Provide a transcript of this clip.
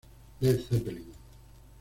Led Zeppelin